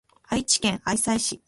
愛知県愛西市